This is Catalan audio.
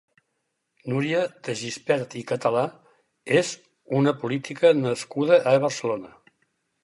Núria de Gispert i Català és una política nascuda a Barcelona.